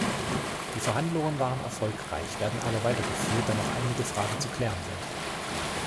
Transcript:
Die Verhandlungen waren erfolgreich, werden aber weitergeführt, da noch einige Fragen zu klären sind.